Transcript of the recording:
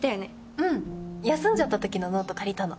うん。休んじゃったときのノート借りたの。